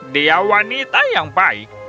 dia wanita yang baik